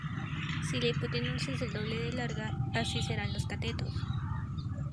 Si la hipotenusa es el doble de larga, así serán los catetos.